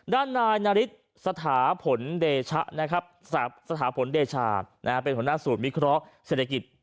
ด้านนายนาริสศาผนเดชานะครับเป็นหัวหน้าสูตรวิเคราะห์เศรษฐกิจ